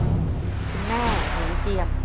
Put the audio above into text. คุณแม่ของเจียม